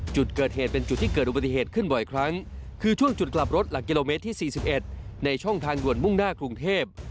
จุดเกิดเหตุเป็นจุดที่เกิดอุบัติเหตุขึ้นบ่อยครั้งคือช่วงจุดกลับรถหลักกิโลเมตรที่๔๑ในช่องทางด่วนมุ่งหน้ากรุงเทพ